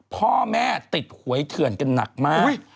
พ่อแม่ติดหวยเถื่อนกันหนักมาก